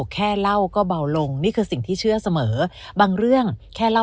แค่เล่าก็เบาลงนี่คือสิ่งที่เชื่อเสมอบางเรื่องแค่เล่า